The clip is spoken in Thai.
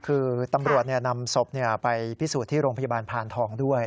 คือตำรวจนำศพไปพิสูจน์ที่โรงพยาบาลพานทองด้วย